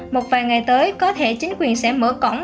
một vài ngày tới có thể chính quyền sẽ mở cổng